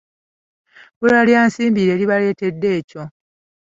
Bbula lya nsimbi lye libaleetedde ekyo.